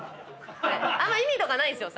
あんま意味とかないんすよ